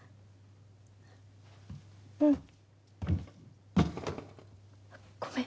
うん。ごめん。